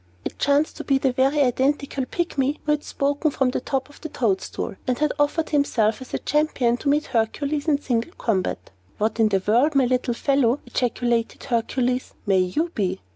It chanced to be the very identical Pygmy who had spoken from the top of the toadstool, and had offered himself as a champion to meet Hercules in single combat. "What in the world, my little fellow," ejaculated Hercules, "may you be?"